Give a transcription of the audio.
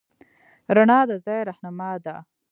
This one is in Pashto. رڼا د ځای رهنما ده.